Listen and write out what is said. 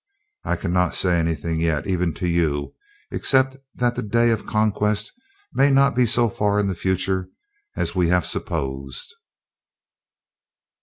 I cannot say anything yet: even to you except that the Day of Conquest may not be so far in the future as we have supposed."